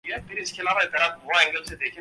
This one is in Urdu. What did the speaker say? اور بعض تین قرار دے کررجوع کو باطل قرار دیتے ہیں